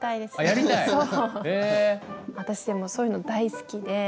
私そういうの大好きで。